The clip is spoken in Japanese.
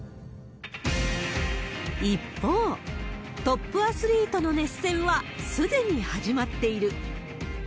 一方、トップアスリートの熱戦はすでに始まっている。